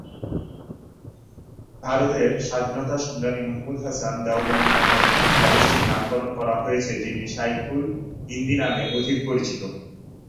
ভারতের স্বাধীনতা সংগ্রামী মাহমুদ হাসান দেওবন্দির নামে কলেজটির নামকরণ করা হয়েছে, যিনি ‘শায়খুল হিন্দ’ নামে অধিক পরিচিত।